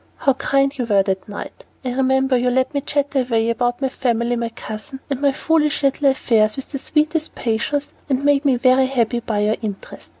"How kind you were that night! I remember you let me chatter away about my family, my cousin, and my foolish little affairs with the sweetest patience, and made me very happy by your interest.